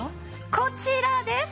こちらです！